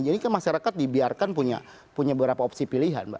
jadi kan masyarakat dibiarkan punya punya berapa opsi pilihan